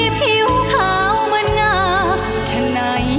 โปรดติดตามตอนต่อไป